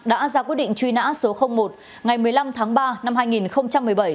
đã ra quyết định truy nã số một ngày một mươi năm tháng ba năm hai nghìn một mươi bảy